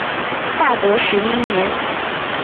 大德十一年。